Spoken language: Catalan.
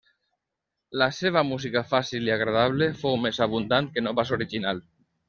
La seva música fàcil i agradable, fou més abundant que no pas original.